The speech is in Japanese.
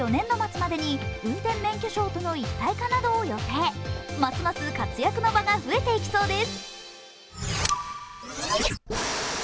ますます活躍の場が増えていきそうです。